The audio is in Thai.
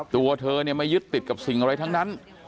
ตัวเธอไม่ยึดติดกับสิ่งอะไรทั้งนั้น